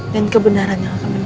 dan kebenaran yang akan menang